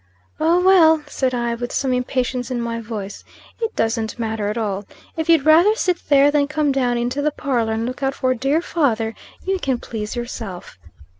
"Oh, well," said I, with some impatience in my voice "it doesn't matter at all. If you'd rather sit there than come down into the parlor and look out for dear father, you can please yourself."